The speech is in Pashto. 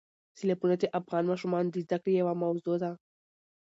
سیلابونه د افغان ماشومانو د زده کړې یوه موضوع ده.